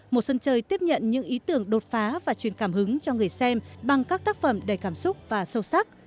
một sân chơi tiếp nhận những ý tưởng đột phá và truyền cảm hứng cho người xem bằng các tác phẩm đầy cảm xúc và sâu sắc